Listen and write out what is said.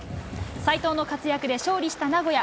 齋藤の活躍で勝利した名古屋。